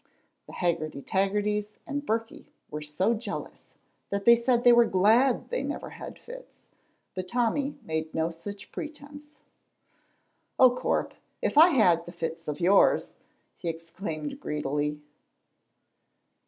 The Haggerty Taggertys and Birkie were so jealous that they said they were glad they never had fits, but Tommy made no such pretence. "Oh, Corp, if I had thae fits of yours!" he exclaimed greedily.